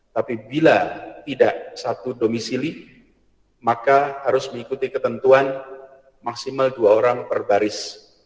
tapi bila tidak satu domisili maka harus mengikuti ketentuan maksimal dua orang per baris